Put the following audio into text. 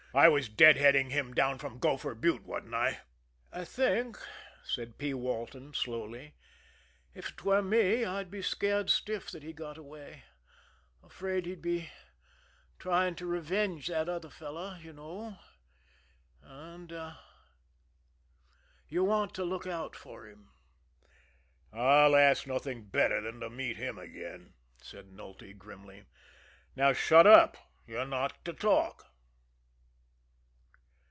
I was dead heading him down from Gopher Butte, wasn't I?" "I think," said P. Walton slowly, "if it were me I'd be scared stiff that he got away afraid he'd be trying to revenge that other fellow, you know. You want to look out for him." "I'd ask nothing better than to meet him again," said Nulty grimly. "Now, shut up you're not to talk."